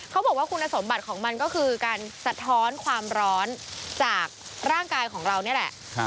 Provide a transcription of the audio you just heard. เขาบอกว่าคุณสมบัติของมันก็คือการสะท้อนความร้อนจากร่างกายของเรานี่แหละ